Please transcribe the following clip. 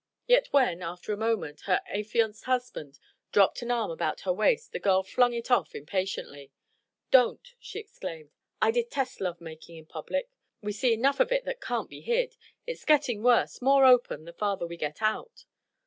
Yet when, after a moment, her affianced husband dropped an arm about her waist the girl flung it off impatiently. "Don't!" she exclaimed. "I detest love making in public. We see enough of it that can't be hid. It's getting worse, more open, the farther we get out."